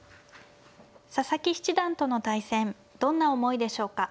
佐々木七段との対戦どんな思いでしょうか。